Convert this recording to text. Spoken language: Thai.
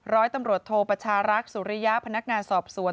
ร้อยตำรวจโทประชารักษ์สุริยะพนักงานสอบสวน